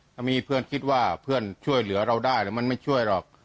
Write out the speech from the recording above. ถ้ามีเพื่อนคิดว่าเพื่อนช่วยเหลือเราได้หรือมันไม่ช่วยหรอก